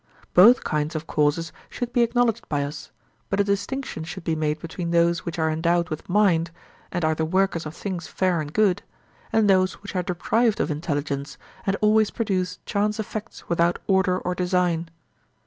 Both kinds of causes should be acknowledged by us, but a distinction should be made between those which are endowed with mind and are the workers of things fair and good, and those which are deprived of intelligence and always produce chance effects without order or design.